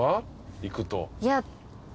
行くと。